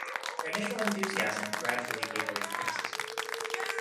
Her initial enthusiasm gradually gave way to criticism.